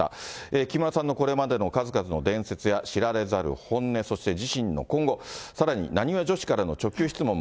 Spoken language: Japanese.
木村さんのこれまでの数々の伝説や、知られざる本音、そして自身の今後、さらに、なにわ女子からの直球質問も。